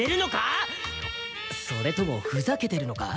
それともふざけてるのか？